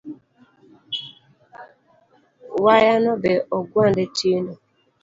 Wayano be ogwande tindo